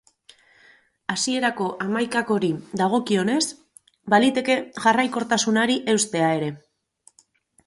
Hasierako hamaikakori dagokionez, baliteke jarraikortasunari eustea ere.